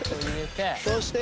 そして。